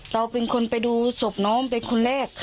เราเป็นคนไปดูศพน้องเป็นคนแรก